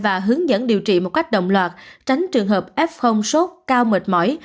và hướng dẫn điều trị một cách đồng loạt tránh trường hợp f sốt cao mệt mỏi